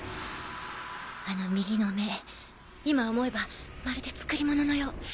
あの右の目今思えばまるで作り物のよう。